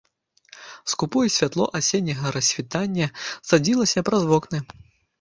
Скупое святло асенняга рассвітання цадзілася праз вокны.